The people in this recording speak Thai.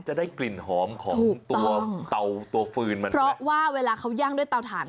จะได้กลิ่นหอมของตัวเตาตัวฟืนมันเพราะว่าเวลาเขาย่างด้วยเตาถ่าน